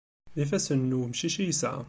D ifassen n wemcic i yesɛa.